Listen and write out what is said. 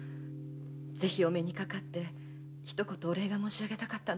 ぜひお目にかかりひと言お礼が申しあげたかったのに残念です。